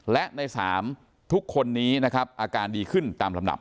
และใน๓ทุกคนนี้นะครับอาการดีขึ้นตามลำดับ